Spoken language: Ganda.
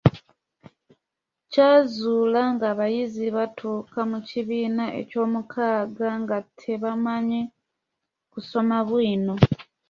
Kyazuula ng'abayizi batuuka mu kibiina ekyomukaaga nga tebamanyi kusoma bwino.